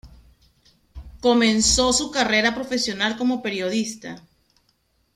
Comenzó su carrera profesional como periodista.